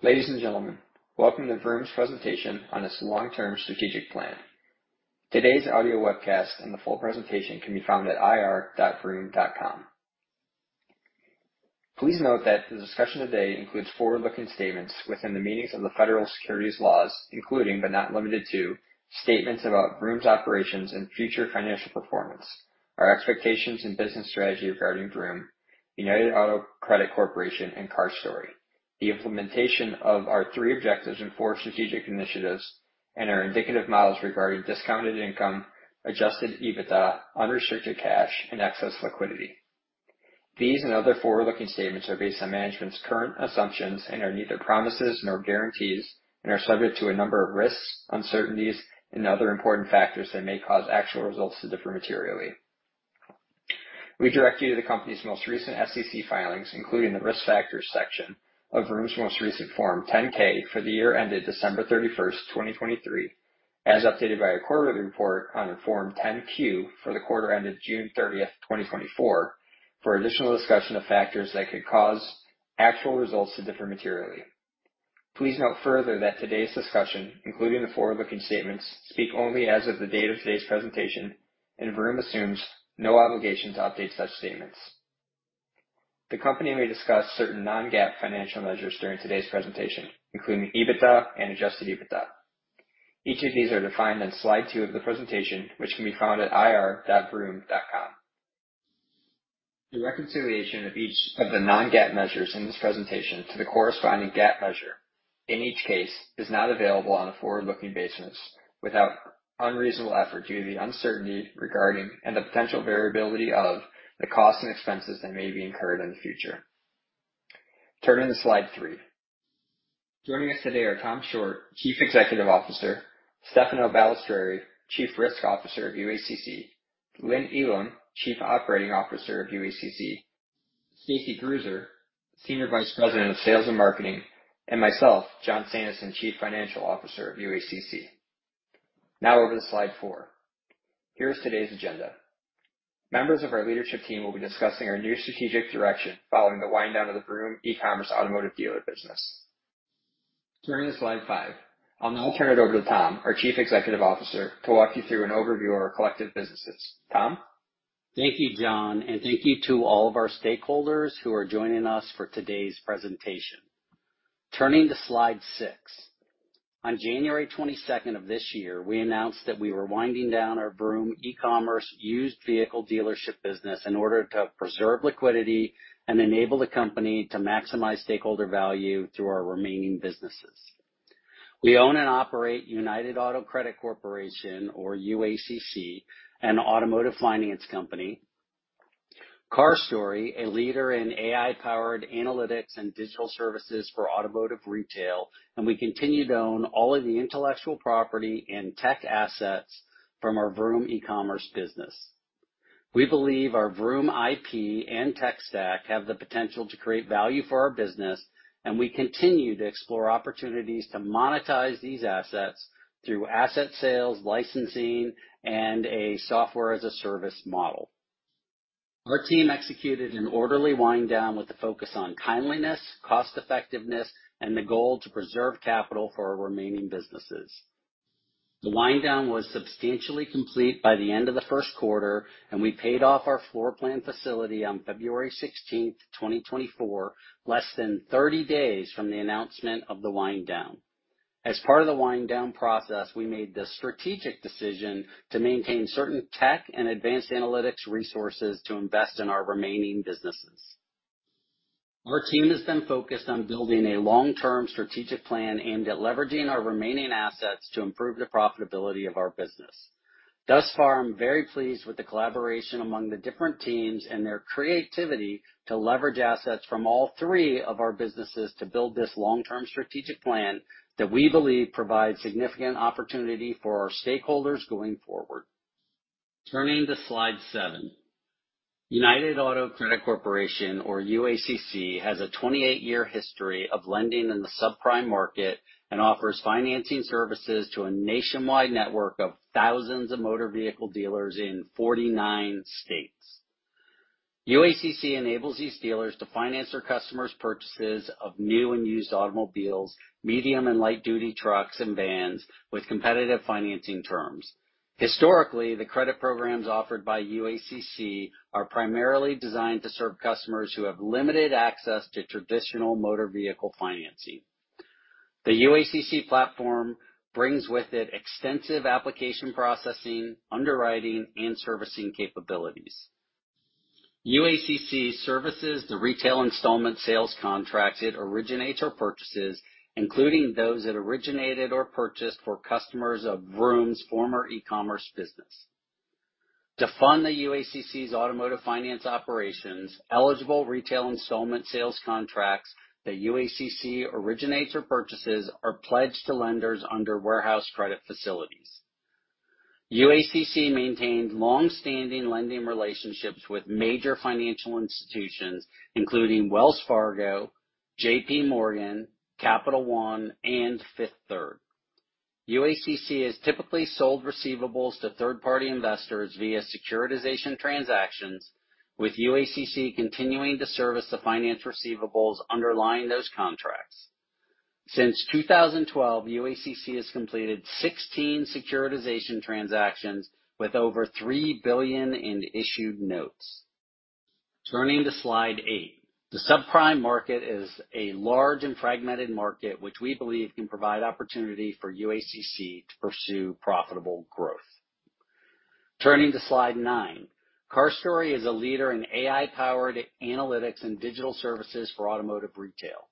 Ladies and gentlemen, welcome to Vroom's presentation on its long-term strategic plan. Today's audio webcast and the full presentation can be found at ir.vroom.com. Please note that the discussion today includes forward-looking statements within the meanings of the federal securities laws, including, but not limited to, statements about Vroom's operations and future financial performance, our expectations and business strategy regarding Vroom, United Auto Credit Corporation and CarStory, the implementation of our three objectives and four strategic initiatives, and our indicative models regarding Discount Income, Adjusted EBITDA, unrestricted cash, and excess liquidity. These and other forward-looking statements are based on management's current assumptions and are neither promises nor guarantees and are subject to a number of risks, uncertainties, and other important factors that may cause actual results to differ materially. We direct you to the company's most recent SEC filings, including the Risk Factors section of Vroom's most recent Form 10-K for the year ended December thirty-first, twenty twenty-three, as updated by a quarterly report on Form 10-Q for the quarter ended June thirtieth, 2024, for additional discussion of factors that could cause actual results to differ materially. Please note further that today's discussion, including the forward-looking statements, speak only as of the date of today's presentation, and Vroom assumes no obligation to update such statements. The company may discuss certain non-GAAP financial measures during today's presentation, including EBITDA and adjusted EBITDA. Each of these are defined on slide two of the presentation, which can be found at ir.vroom.com. The reconciliation of each of the non-GAAP measures in this presentation to the corresponding GAAP measure in each case is not available on a forward-looking basis without unreasonable effort due to the uncertainty regarding and the potential variability of the costs and expenses that may be incurred in the future. Turning to slide three. Joining us today are Tom Shortt, Chief Executive Officer, Stefano Balestreri, Chief Risk Officer of UACC, Lynn Elam, Chief Operating Officer of UACC, Stacie Grueser, Senior Vice President of Sales and Marketing, and myself, Jon Sandison, Chief Financial Officer of UACC. Now over to slide four. Here is today's agenda. Members of our leadership team will be discussing our new strategic direction following the wind down of the Vroom eCommerce automotive dealer business. Turning to slide five. I'll now turn it over to Tom, our Chief Executive Officer, to walk you through an overview of our collective businesses. Tom? Thank you, John, and thank you to all of our stakeholders who are joining us for today's presentation. Turning to slide six. On January twenty-second of this year, we announced that we were winding down our Vroom eCommerce used vehicle dealership business in order to preserve liquidity and enable the company to maximize stakeholder value through our remaining businesses. We own and operate United Auto Credit Corporation, or UACC, an automotive finance company, CarStory, a leader in AI-powered analytics and digital services for automotive retail, and we continue to own all of the intellectual property and tech assets from our Vroom eCommerce business. We believe our Vroom IP and tech stack have the potential to create value for our business, and we continue to explore opportunities to monetize these assets through asset sales, licensing, and a software-as-a-service model. Our team executed an orderly wind down with a focus on kindness, cost effectiveness, and the goal to preserve capital for our remaining businesses. The wind down was substantially complete by the end of the first quarter, and we paid off our Floor Plan Facility on February sixteenth, 2024, less than thirty days from the announcement of the wind down. As part of the wind down process, we made the strategic decision to maintain certain tech and advanced analytics resources to invest in our remaining businesses. Our team has been focused on building a long-term strategic plan aimed at leveraging our remaining assets to improve the profitability of our business. Thus far, I'm very pleased with the collaboration among the different teams and their creativity to leverage assets from all three of our businesses to build this long-term strategic plan that we believe provides significant opportunity for our stakeholders going forward. Turning to slide seven. United Auto Credit Corporation, or UACC, has a twenty-eight-year history of lending in the subprime market and offers financing services to a nationwide network of thousands of motor vehicle dealers in forty-nine states. UACC enables these dealers to finance their customers' purchases of new and used automobiles, medium and light-duty trucks and vans with competitive financing terms. Historically, the credit programs offered by UACC are primarily designed to serve customers who have limited access to traditional motor vehicle financing. The UACC platform brings with it extensive application processing, underwriting, and servicing capabilities. UACC services the retail installment sales contracts it originates or purchases, including those it originated or purchased for customers of Vroom's former eCommerce business. To fund the UACC's automotive finance operations, eligible retail installment sales contracts that UACC originates or purchases are pledged to lenders under warehouse credit facilities. UACC maintains long-standing lending relationships with major financial institutions, including Wells Fargo, JP Morgan, Capital One, and Fifth Third. UACC has typically sold receivables to third-party investors via securitization transactions, with UACC continuing to service the finance receivables underlying those contracts. Since two thousand and twelve, UACC has completed 16 securitization transactions with over $3 billion in issued notes. Turning to slide eight. The subprime market is a large and fragmented market, which we believe can provide opportunity for UACC to pursue profitable growth. Turning to slide nine. CarStory is a leader in AI-powered analytics and digital services for automotive retail.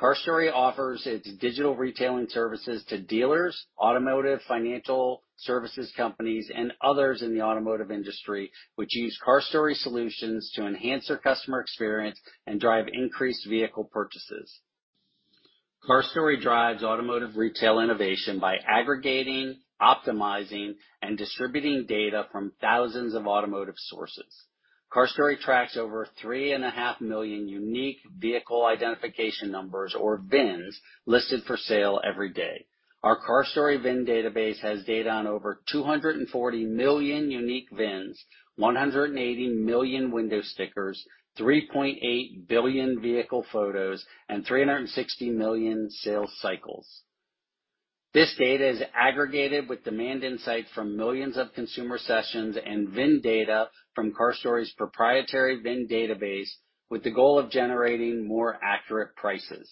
CarStory offers its digital retailing services to dealers, automotive financial services companies, and others in the automotive industry, which use CarStory solutions to enhance their customer experience and drive increased vehicle purchases. CarStory drives automotive retail innovation by aggregating, optimizing, and distributing data from thousands of automotive sources. CarStory tracks over three and a half million unique vehicle identification numbers, or VINs, listed for sale every day. Our CarStory VIN database has data on over two hundred and forty million unique VINs, one hundred and eighty million window stickers, three point eight billion vehicle photos, and three hundred and sixty million sales cycles. This data is aggregated with demand insights from millions of consumer sessions and VIN data from CarStory's proprietary VIN database, with the goal of generating more accurate prices.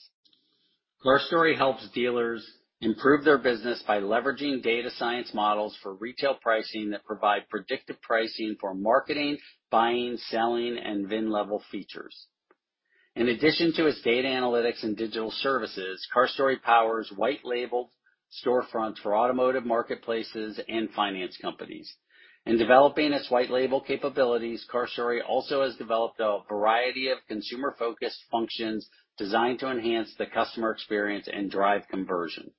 CarStory helps dealers improve their business by leveraging data science models for retail pricing that provide predictive pricing for marketing, buying, selling, and VIN-level features. In addition to its data analytics and digital services, CarStory powers white-labeled storefronts for automotive marketplaces and finance companies. In developing its white-label capabilities, CarStory also has developed a variety of consumer-focused functions designed to enhance the customer experience and drive conversion.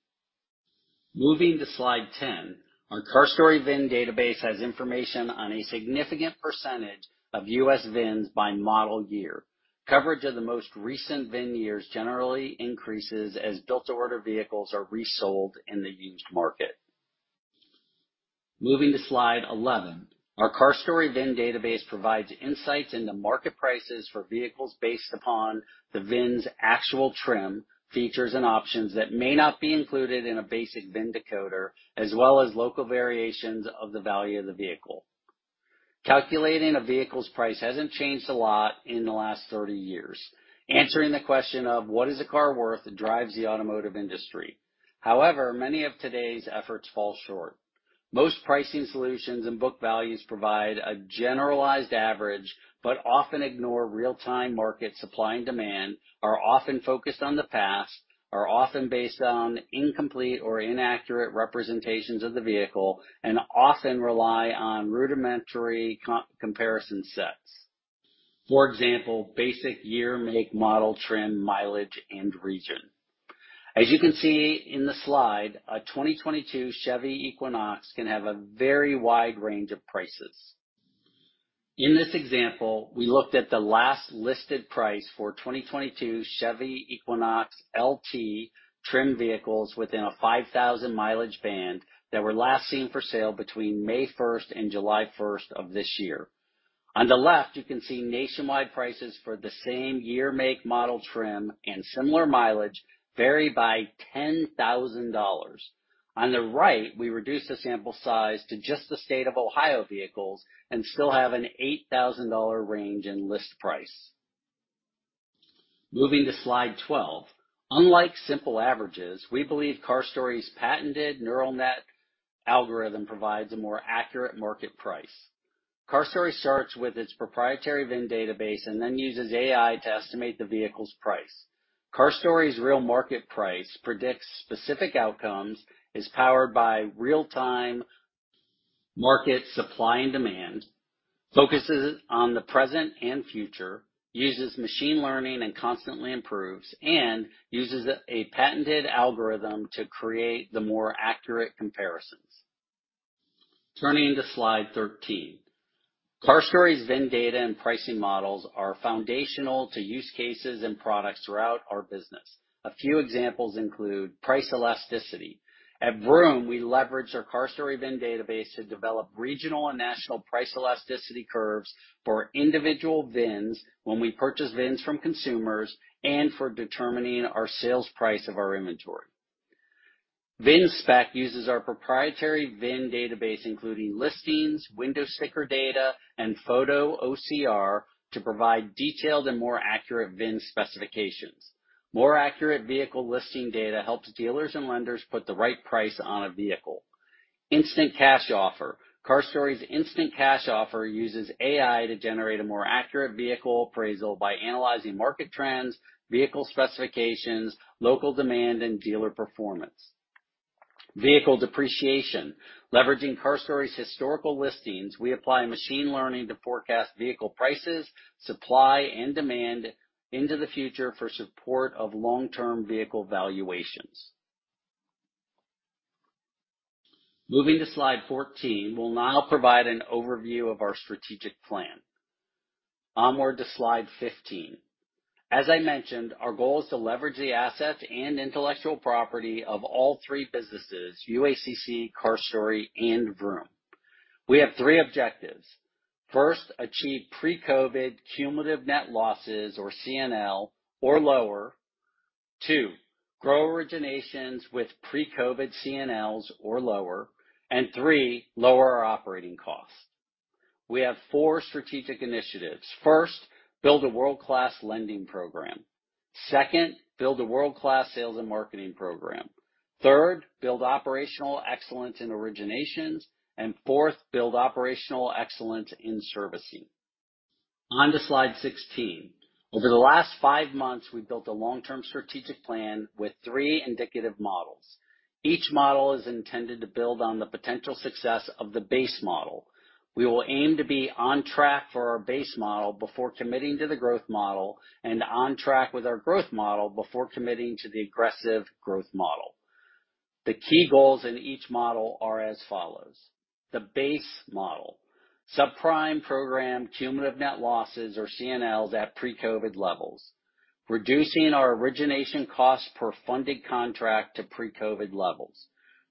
Moving to slide ten. Our CarStory VIN database has information on a significant percentage of U.S. VINs by model year. Coverage of the most recent VIN years generally increases as built-to-order vehicles are resold in the used market. Moving to slide eleven. Our CarStory VIN database provides insights into market prices for vehicles based upon the VIN's actual trim, features, and options that may not be included in a basic VIN decoder, as well as local variations of the value of the vehicle. Calculating a vehicle's price hasn't changed a lot in the last thirty years. Answering the question of what is a car worth drives the automotive industry. However, many of today's efforts fall short. Most pricing solutions and book values provide a generalized average, but often ignore real-time market supply and demand, are often focused on the past, are often based on incomplete or inaccurate representations of the vehicle, and often rely on rudimentary comparison sets. For example, basic year, make, model, trim, mileage, and region. As you can see in the slide, a 2022 Chevy Equinox can have a very wide range of prices. In this example, we looked at the last listed price for 2022 Chevy Equinox LT trim vehicles within a 5,000 mileage band that were last seen for sale between May first and July first of this year. On the left, you can see nationwide prices for the same year, make, model, trim, and similar mileage vary by $10,000. On the right, we reduce the sample size to just the state of Ohio vehicles and still have an $8,000 range in list price. Moving to slide 12. Unlike simple averages, we believe CarStory's patented neural net algorithm provides a more accurate market price. CarStory starts with its proprietary VIN database and then uses AI to estimate the vehicle's price. CarStory's Real Market Price predicts specific outcomes, is powered by real-time market supply and demand, focuses on the present and future, uses machine learning and constantly improves, and uses a patented algorithm to create the more accurate comparisons. Turning to slide 13. CarStory's VIN data and pricing models are foundational to use cases and products throughout our business. A few examples include price elasticity. At Vroom, we leverage our CarStory VIN database to develop regional and national price elasticity curves for individual VINs when we purchase VINs from consumers and for determining our sales price of our inventory. VIN spec uses our proprietary VIN database, including listings, window sticker data, and photo OCR, to provide detailed and more accurate VIN specifications. More accurate vehicle listing data helps dealers and lenders put the right price on a vehicle. Instant Cash Offer. CarStory's Instant Cash Offer uses AI to generate a more accurate vehicle appraisal by analyzing market trends, vehicle specifications, local demand, and dealer performance. Vehicle depreciation. Leveraging CarStory's historical listings, we apply machine learning to forecast vehicle prices, supply, and demand into the future for support of long-term vehicle valuations. Moving to slide fourteen. We'll now provide an overview of our strategic plan. Onward to slide 15. As I mentioned, our goal is to leverage the assets and intellectual property of all three businesses, UACC, CarStory, and Vroom. We have three objectives. First, achieve pre-COVID cumulative net losses, or CNL, or lower. Two, grow originations with pre-COVID CNLs or lower. And three, lower our operating costs. We have four strategic initiatives. First, build a world-class lending program. Second, build a world-class sales and marketing program. Third, build operational excellence in originations. And fourth, build operational excellence in servicing. On to slide 16. Over the last five months, we've built a long-term strategic plan with three indicative models. Each model is intended to build on the potential success of the base model. We will aim to be on track for our base model before committing to the growth model, and on track with our growth model before committing to the aggressive growth model. The key goals in each model are as follows: The base model, subprime program, cumulative net losses or CNLs at pre-COVID levels, reducing our origination costs per funded contract to pre-COVID levels,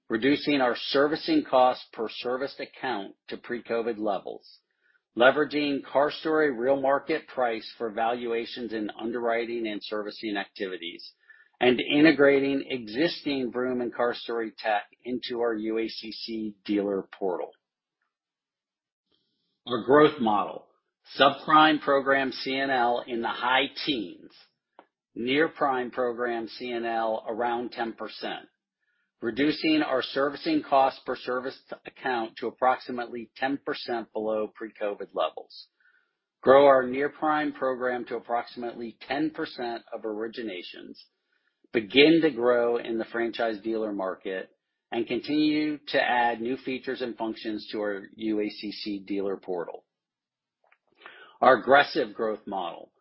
reducing our servicing costs per serviced account to pre-COVID levels, leveraging CarStory Real Market Price for valuations in underwriting and servicing activities, and integrating existing Vroom and CarStory tech into our UACC dealer portal. Our growth model, subprime program CNL in the high teens, near-prime program CNL around 10%, reducing our servicing costs per service account to approximately 10% below pre-COVID levels, grow our near-prime program to approximately 10% of originations, begin to grow in the franchise dealer market and continue to add new features and functions to our UACC dealer portal. Our aggressive growth model,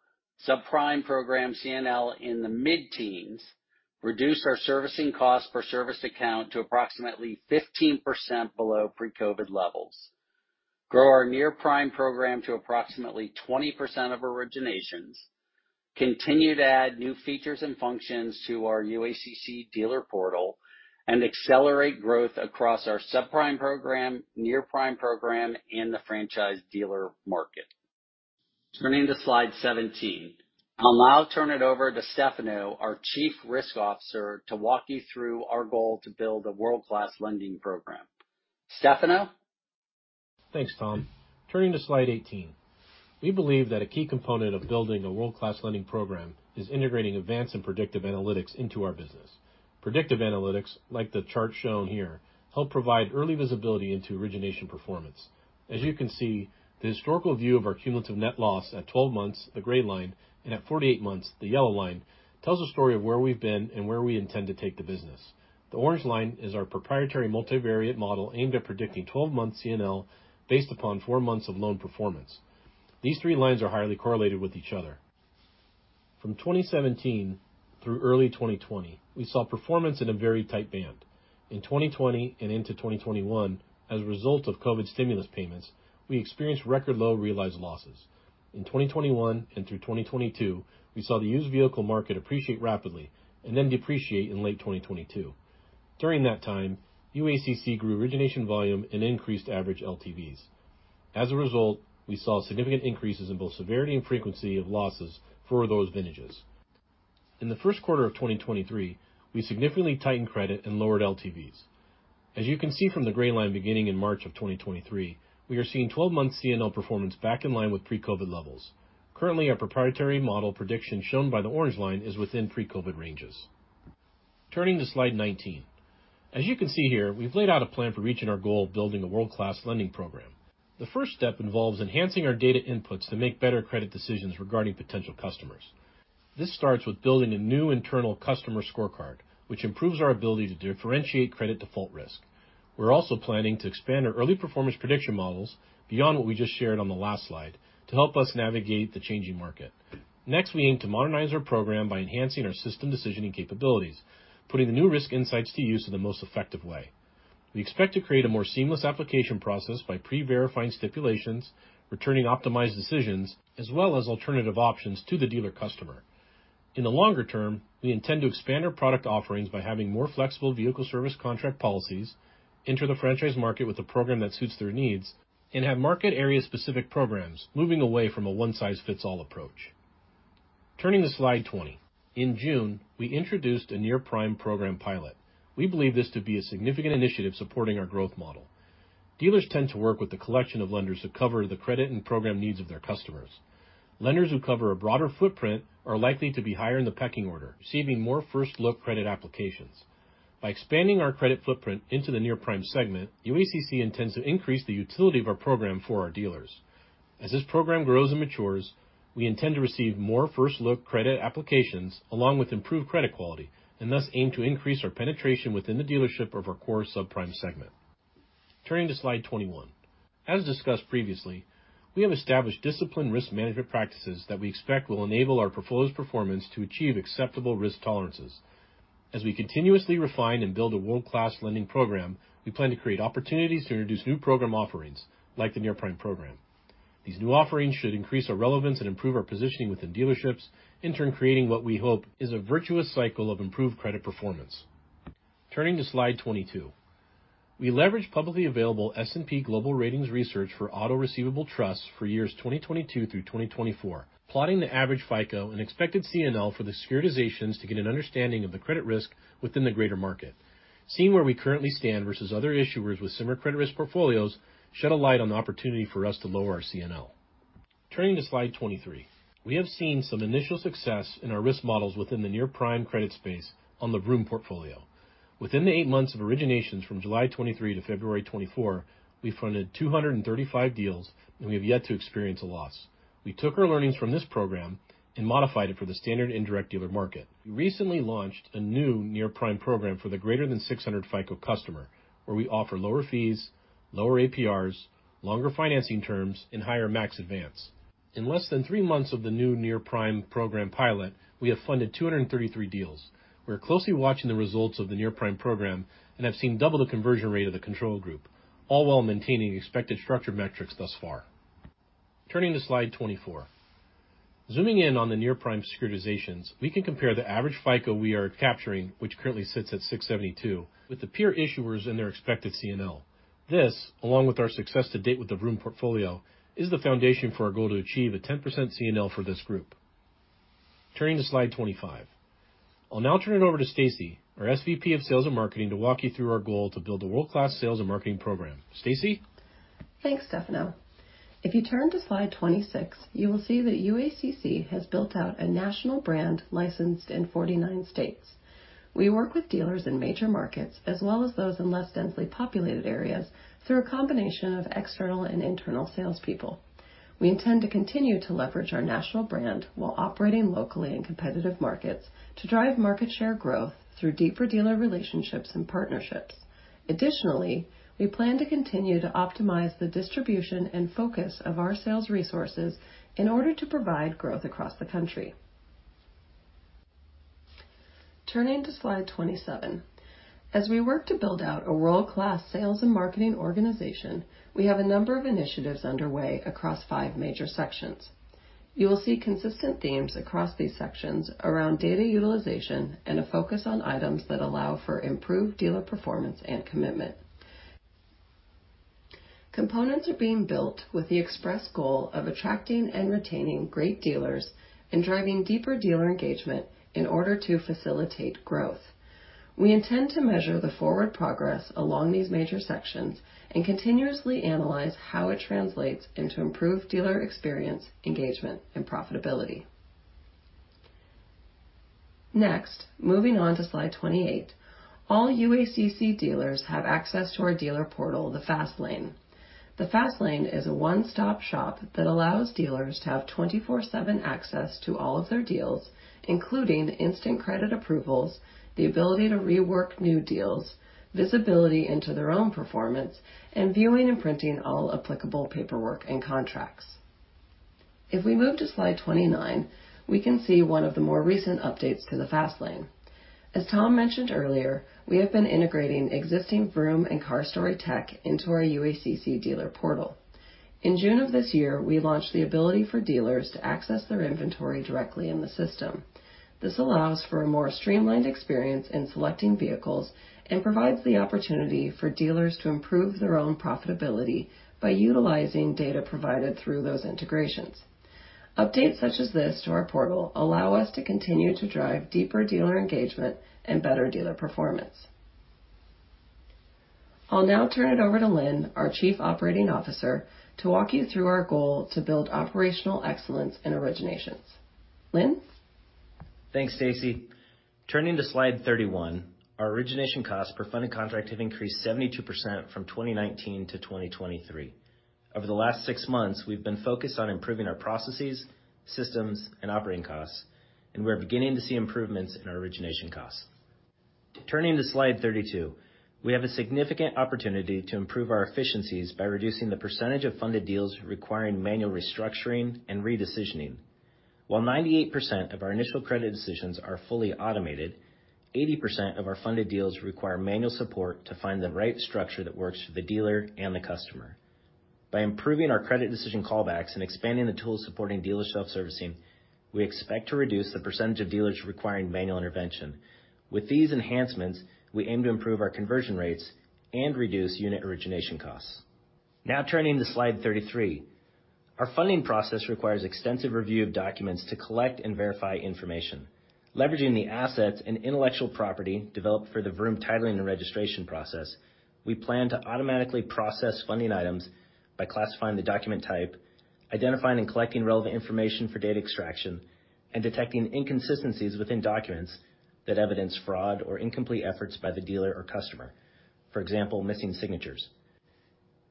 subprime program CNL in the mid-teens, reduce our servicing costs per serviced account to approximately 15% below pre-COVID levels, grow our near-prime program to approximately 20% of originations, continue to add new features and functions to our UACC dealer portal, and accelerate growth across our subprime program, near-prime program, and the franchise dealer market. Turning to slide seventeen. I'll now turn it over to Stefano, our Chief Risk Officer, to walk you through our goal to build a world-class lending program. Stefano? Thanks, Tom. Turning to slide 18. We believe that a key component of building a world-class lending program is integrating advanced and predictive analytics into our business. Predictive analytics, like the chart shown here, help provide early visibility into origination performance. As you can see, the historical view of our cumulative net loss at 12 months, the gray line, and at 48 months, the yellow line, tells a story of where we've been and where we intend to take the business. The orange line is our proprietary multivariate model, aimed at predicting 12-month CNL based upon four months of loan performance. These three lines are highly correlated with each other. From 2017 through early 2020, we saw performance in a very tight band. In 2020 and into 2021, as a result of COVID stimulus payments, we experienced record-low realized losses. In twenty twenty-one and through twenty twenty-two, we saw the used vehicle market appreciate rapidly and then depreciate in late twenty twenty-two. During that time, UACC grew origination volume and increased average LTVs. As a result, we saw significant increases in both severity and frequency of losses for those vintages. In the first quarter of twenty twenty-three, we significantly tightened credit and lowered LTVs. As you can see from the gray line, beginning in March of twenty twenty-three, we are seeing twelve-month CNL performance back in line with pre-COVID levels. Currently, our proprietary model prediction, shown by the orange line, is within pre-COVID ranges. Turning to slide nineteen. As you can see here, we've laid out a plan for reaching our goal of building a world-class lending program. The first step involves enhancing our data inputs to make better credit decisions regarding potential customers. This starts with building a new internal customer scorecard, which improves our ability to differentiate credit default risk. We're also planning to expand our early performance prediction models beyond what we just shared on the last slide, to help us navigate the changing market. Next, we aim to modernize our program by enhancing our system decisioning capabilities, putting the new risk insights to use in the most effective way. We expect to create a more seamless application process by pre-verifying stipulations, returning optimized decisions, as well as alternative options to the dealer customer. In the longer term, we intend to expand our product offerings by having more flexible vehicle service contract policies, enter the franchise market with a program that suits their needs, and have market area-specific programs, moving away from a one-size-fits-all approach. Turning to slide 20. In June, we introduced a near-prime program pilot. We believe this to be a significant initiative supporting our growth model. Dealers tend to work with a collection of lenders who cover the credit and program needs of their customers. Lenders who cover a broader footprint are likely to be higher in the pecking order, receiving more first-look credit applications. By expanding our credit footprint into the near-prime segment, UACC intends to increase the utility of our program for our dealers. As this program grows and matures, we intend to receive more first-look credit applications, along with improved credit quality, and thus aim to increase our penetration within the dealership of our core subprime segment. Turning to slide 20. As discussed previously, we have established disciplined risk management practices that we expect will enable our portfolio's performance to achieve acceptable risk tolerances. As we continuously refine and build a world-class lending program, we plan to create opportunities to introduce new program offerings, like the Near-prime program. These new offerings should increase our relevance and improve our positioning within dealerships, in turn, creating what we hope is a virtuous cycle of improved credit performance. Turning to Slide 22. We leverage publicly available S&P Global Ratings research for auto receivable trusts for years 2022 through 2024, plotting the average FICO and expected CNL for the securitizations to get an understanding of the credit risk within the greater market. Seeing where we currently stand versus other issuers with similar credit risk portfolios, shed a light on the opportunity for us to lower our CNL. Turning to Slide 23. We have seen some initial success in our risk models within the near-prime credit space on the Vroom portfolio. Within the eight months of originations from July 2023 to February 2024, we funded two hundred and thirty-five deals, and we have yet to experience a loss. We took our learnings from this program and modified it for the standard indirect dealer market. We recently launched a new near-prime program for the greater than six hundred FICO customer, where we offer lower fees, lower APRs, longer financing terms, and higher max advance. In less than three months of the new near-prime program pilot, we have funded two hundred and thirty-three deals. We're closely watching the results of the near-prime program and have seen double the conversion rate of the control group, all while maintaining expected structured metrics thus far. Turning to Slide twenty-four. Zooming in on the near-prime securitizations, we can compare the average FICO we are capturing, which currently sits at 672, with the peer issuers and their expected CNL. This, along with our success to date with the Vroom portfolio, is the foundation for our goal to achieve a 10% CNL for this group. Turning to Slide 25. I'll now turn it over to Stacy, our SVP of Sales and Marketing, to walk you through our goal to build a world-class sales and marketing program. Stacy? Thanks, Stefano. If you turn to Slide twenty-six, you will see that UACC has built out a national brand licensed in forty-nine states. We work with dealers in major markets, as well as those in less densely populated areas, through a combination of external and internal salespeople. We intend to continue to leverage our national brand while operating locally in competitive markets to drive market share growth through deeper dealer relationships and partnerships. Additionally, we plan to continue to optimize the distribution and focus of our sales resources in order to provide growth across the country. Turning to Slide twenty-seven. As we work to build out a world-class sales and marketing organization, we have a number of initiatives underway across five major sections. You will see consistent themes across these sections around data utilization and a focus on items that allow for improved dealer performance and commitment. Components are being built with the express goal of attracting and retaining great dealers and driving deeper dealer engagement in order to facilitate growth. We intend to measure the forward progress along these major sections and continuously analyze how it translates into improved dealer experience, engagement, and profitability. Next, moving on to Slide twenty-eight, all UACC dealers have access to our dealer portal, the FastLane. The FastLane is a one-stop shop that allows dealers to have twenty-four/seven access to all of their deals, including instant credit approvals, the ability to rework new deals, visibility into their own performance, and viewing and printing all applicable paperwork and contracts. If we move to Slide twenty-nine, we can see one of the more recent updates to the FastLane. As Tom mentioned earlier, we have been integrating existing Vroom and CarStory tech into our UACC dealer portal. In June of this year, we launched the ability for dealers to access their inventory directly in the system. This allows for a more streamlined experience in selecting vehicles and provides the opportunity for dealers to improve their own profitability by utilizing data provided through those integrations. Updates such as this to our portal allow us to continue to drive deeper dealer engagement and better dealer performance. I'll now turn it over to Lynn, our Chief Operating Officer, to walk you through our goal to build operational excellence in originations. Lynn? Thanks, Stacy. Turning to Slide 31, our origination costs per funded contract have increased 72% from 2019 to 2023. Over the last six months, we've been focused on improving our processes, systems, and operating costs, and we are beginning to see improvements in our origination costs. Turning to Slide 32, we have a significant opportunity to improve our efficiencies by reducing the percentage of funded deals requiring manual restructuring and re-decisioning. While 98% of our initial credit decisions are fully automated, 80% of our funded deals require manual support to find the right structure that works for the dealer and the customer. By improving our credit decision callbacks and expanding the tools supporting dealer self-servicing, we expect to reduce the percentage of dealers requiring manual intervention. With these enhancements, we aim to improve our conversion rates and reduce unit origination costs. Now turning to Slide 33. Our funding process requires extensive review of documents to collect and verify information. Leveraging the assets and intellectual property developed for the Vroom titling and registration process, we plan to automatically process funding items by classifying the document type, identifying and collecting relevant information for data extraction, and detecting inconsistencies within documents that evidence fraud or incomplete efforts by the dealer or customer. For example, missing signatures.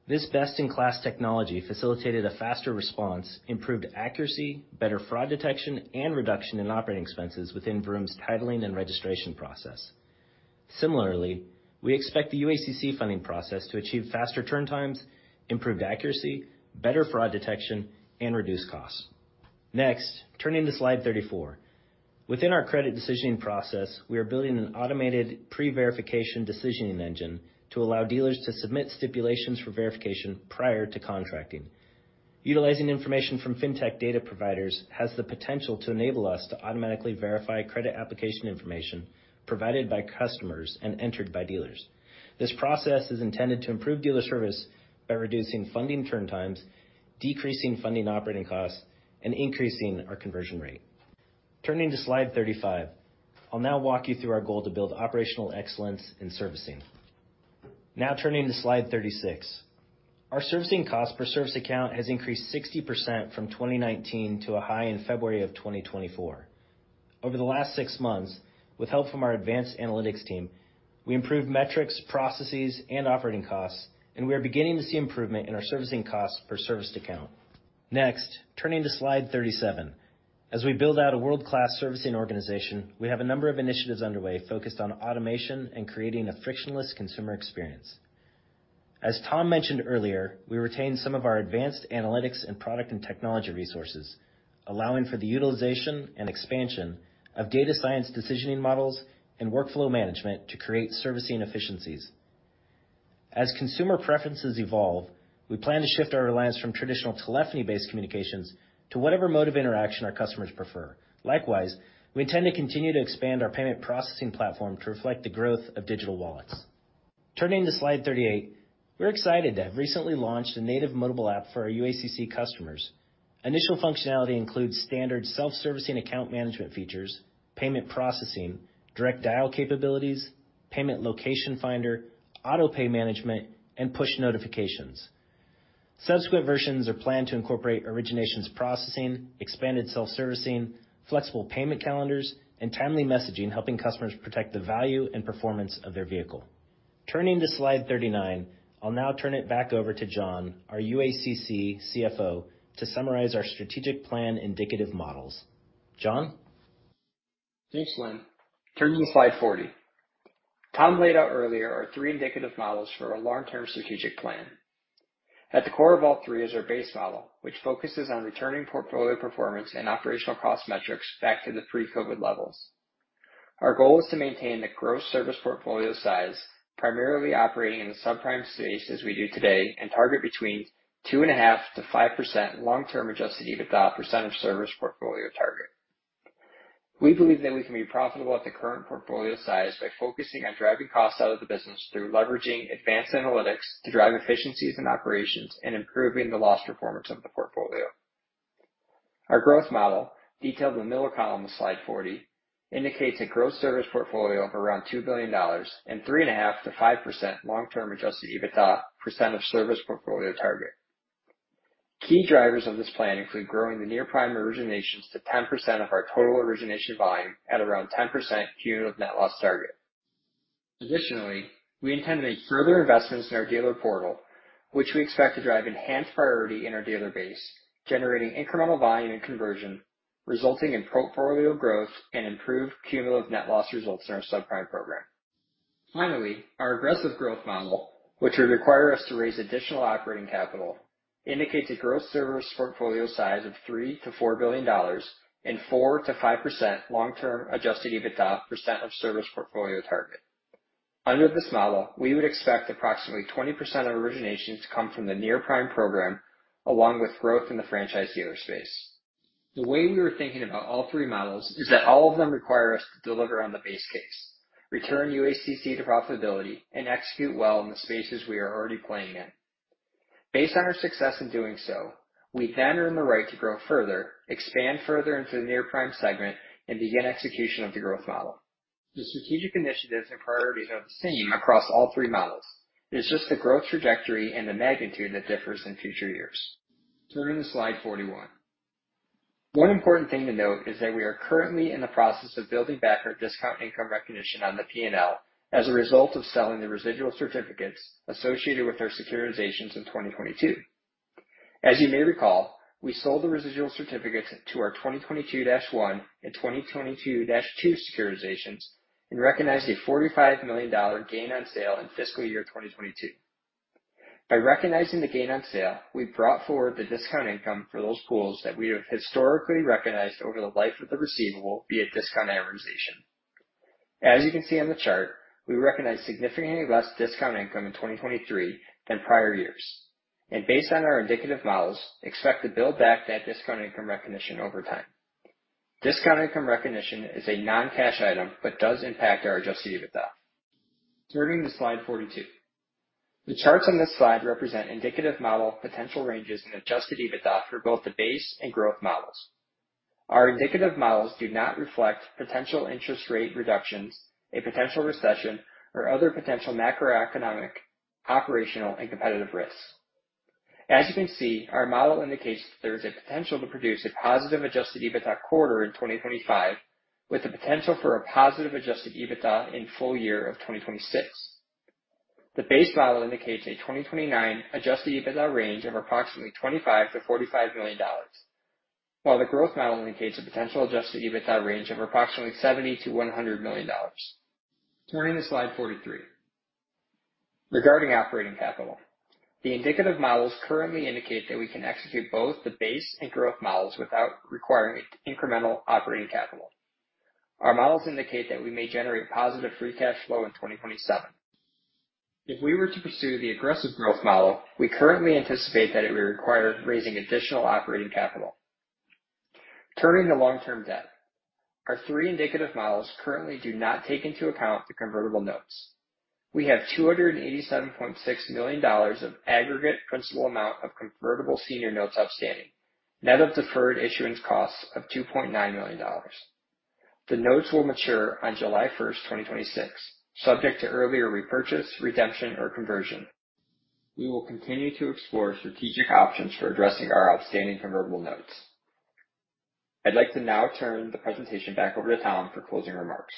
This best-in-class technology facilitated a faster response, improved accuracy, better fraud detection, and reduction in operating expenses within Vroom's titling and registration process.... Similarly, we expect the UACC funding process to achieve faster turn times, improved accuracy, better fraud detection, and reduced costs. Next, turning to Slide 34. Within our credit decisioning process, we are building an automated pre-verification decisioning engine to allow dealers to submit stipulations for verification prior to contracting. Utilizing information from fintech data providers has the potential to enable us to automatically verify credit application information provided by customers and entered by dealers. This process is intended to improve dealer service by reducing funding turn times, decreasing funding operating costs, and increasing our conversion rate. Turning to slide 35, I'll now walk you through our goal to build operational excellence in servicing. Now turning to slide 36. Our servicing cost per service account has increased 60% from 2019 to a high in February 2024. Over the last six months, with help from our advanced analytics team, we improved metrics, processes, and operating costs, and we are beginning to see improvement in our servicing costs per serviced account. Next, turning to slide 37. As we build out a world-class servicing organization, we have a number of initiatives underway focused on automation and creating a frictionless consumer experience. As Tom mentioned earlier, we retained some of our advanced analytics and product and technology resources, allowing for the utilization and expansion of data science decisioning models and workflow management to create servicing efficiencies. As consumer preferences evolve, we plan to shift our reliance from traditional telephony-based communications to whatever mode of interaction our customers prefer. Likewise, we intend to continue to expand our payment processing platform to reflect the growth of digital wallets. Turning to slide thirty-eight. We're excited to have recently launched a native mobile app for our UACC customers. Initial functionality includes standard self-servicing account management features, payment processing, direct dial capabilities, payment location finder, auto-pay management, and push notifications. Subsequent versions are planned to incorporate originations processing, expanded self-servicing, flexible payment calendars, and timely messaging, helping customers protect the value and performance of their vehicle. Turning to slide thirty-nine, I'll now turn it back over to John, our UACC CFO, to summarize our strategic plan indicative models. John? Thanks, Lynn. Turning to slide 40. Tom laid out earlier our three indicative models for our long-term strategic plan. At the core of all three is our base model, which focuses on returning portfolio performance and operational cost metrics back to the pre-COVID levels. Our goal is to maintain the gross service portfolio size, primarily operating in the subprime space as we do today, and target between 2.5% to 5% long-term Adjusted EBITDA percentage service portfolio target. We believe that we can be profitable at the current portfolio size by focusing on driving costs out of the business through leveraging advanced analytics to drive efficiencies and operations and improving the loss performance of the portfolio. Our growth model, detailed in the middle column of slide 40, indicates a growth service portfolio of around $2 billion and 3.5%-5% long-term adjusted EBITDA % of service portfolio target. Key drivers of this plan include growing the near-prime originations to 10% of our total origination volume at around 10% cumulative net loss target. Additionally, we intend to make further investments in our dealer portal, which we expect to drive enhanced priority in our dealer base, generating incremental volume and conversion, resulting in portfolio growth and improved cumulative net loss results in our subprime program. Finally, our aggressive growth model, which would require us to raise additional operating capital, indicates a growth service portfolio size of $3-$4 billion and 4%-5% long-term adjusted EBITDA % of service portfolio target. Under this model, we would expect approximately 20% of originations to come from the near-prime program, along with growth in the franchise dealer space. The way we were thinking about all three models is that all of them require us to deliver on the base case, return UACC to profitability, and execute well in the spaces we are already playing in. Based on our success in doing so, we then earn the right to grow further, expand further into the near-prime segment, and begin execution of the growth model. The strategic initiatives and priorities are the same across all three models. It is just the growth trajectory and the magnitude that differs in future years. Turning to slide 41. One important thing to note is that we are currently in the process of building back our discount income recognition on the P&L as a result of selling the residual certificates associated with our securitizations in 2022. As you may recall, we sold the residual certificates to our 2022-1 and 2022-2 securitizations and recognized a $45 million gain on sale in fiscal year 2022. By recognizing the gain on sale, we brought forward the discount income for those pools that we have historically recognized over the life of the receivable via discount amortization. As you can see on the chart, we recognize significantly less discount income in 2023 than prior years, and based on our indicative models, expect to build back that discount income recognition over time. Discount income recognition is a non-cash item, but does impact our Adjusted EBITDA. Turning to slide 42. The charts on this slide represent indicative model potential ranges and Adjusted EBITDA for both the base and growth models. Our indicative models do not reflect potential interest rate reductions, a potential recession, or other potential macroeconomic, operational, and competitive risks. As you can see, our model indicates that there is a potential to produce a positive Adjusted EBITDA quarter in 2025, with the potential for a positive Adjusted EBITDA in full year of twenty twenty-six. The base model indicates a twenty twenty-nine Adjusted EBITDA range of approximately $25-$45 million, while the growth model indicates a potential Adjusted EBITDA range of approximately $70-$100 million. Turning to slide 43. Regarding operating capital, the indicative models currently indicate that we can execute both the base and growth models without requiring incremental operating capital. Our models indicate that we may generate positive free cash flow in 2027. If we were to pursue the aggressive growth model, we currently anticipate that it would require raising additional operating capital. Turning to long-term debt. Our three indicative models currently do not take into account the Convertible Senior Notes. We have $287.6 million of aggregate principal amount of Convertible Senior Notes outstanding, net of deferred issuance costs of $2.9 million. The notes will mature on July 1, 2026, subject to earlier repurchase, redemption, or conversion. We will continue to explore strategic options for addressing our outstanding Convertible Senior Notes. I'd like to now turn the presentation back over to Tom for closing remarks.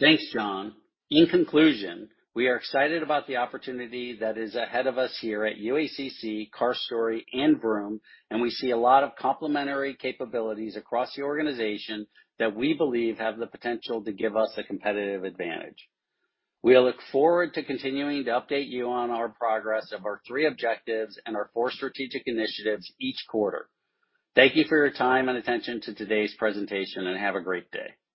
Thanks, John. In conclusion, we are excited about the opportunity that is ahead of us here at UACC, CarStory, and Vroom, and we see a lot of complementary capabilities across the organization that we believe have the potential to give us a competitive advantage. We look forward to continuing to update you on our progress of our three objectives and our four strategic initiatives each quarter. Thank you for your time and attention to today's presentation, and have a great day.